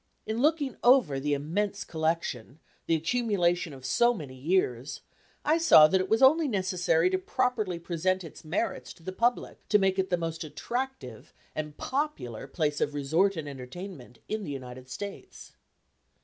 In looking over the immense collection, the accumulation of so many years, I saw that it was only necessary to properly present its merits to the public, to make it the most attractive and popular place of resort and entertainment in the United States.